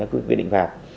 cho quyết định phạt